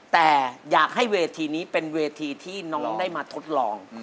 แต่อยากให้เวทีนี้เป็นเวทีที่น้องได้มาทดลอง